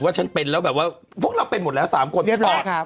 ว่าฉันเป็นแล้วแบบว่าพวกเราเป็นหมดแล้วสามคนเรียบร้อยครับ